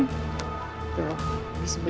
tuh di sebelah tempat